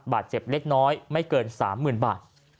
บาดเจ็บเล็กน้อยไม่เกิน๓๐๐๐บาท